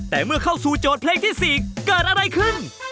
แต่เมื่อเข้าสู่โจทย์เพลงที่๔เกิดอะไรขึ้น